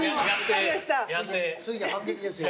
ついに反撃ですよ。